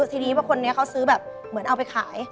ทีนี้ว่าคนนี้เขาซื้อแบบเหมือนเอาไปขาย